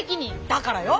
だからよ。